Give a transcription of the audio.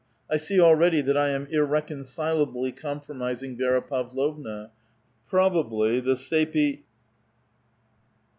I see already that 1 am irreconcilably compromising Vi^ra Pavlovna ; probably, the sapi